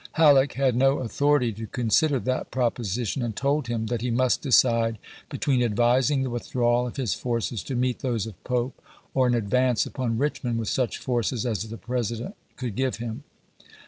Hal leck had no authority to consider that proposition, and told him that he must decide between advising the withdi'awal of his forces to meet those of Pope, or an advance upon Richmond with such forces as the President could give him.